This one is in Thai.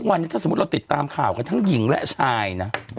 วันนี้ถ้าสมมุติเราติดตามข่าวกันทั้งหญิงและชายนะ